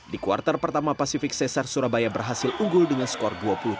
di kuartal pertama pasifik cesar surabaya berhasil unggul dengan skor dua puluh tiga